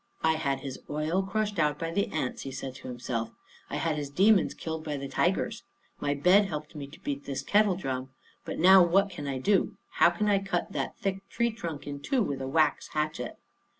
"I had his oil crushed out by the ants," he said to himself. "I had his demons killed by the tigers. My bed helped to beat this kettle drum. But now what can I do? How can I cut that thick tree trunk in two with a wax hatchet?"